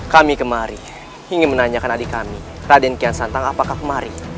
kami kemari ingin menanyakan adik kami raden kian santang apakah kemari